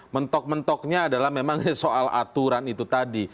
mentok mentoknya adalah memang soal aturan itu tadi